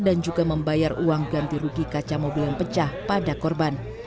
dan juga membayar uang ganti rugi kaca mobil yang pecah pada korban